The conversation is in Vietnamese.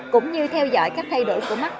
cũng như theo dõi các thay đổi của mắt